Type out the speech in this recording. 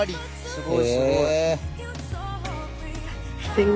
すごいすごい。